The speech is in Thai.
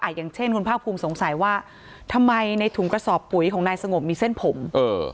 อย่างเช่นคุณภาคภูมิสงสัยว่าทำไมในถุงกระสอบปุ๋ยของนายสงบมีเส้นผมเออ